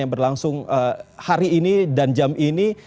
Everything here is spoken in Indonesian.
yang berlangsung hari ini dan jam ini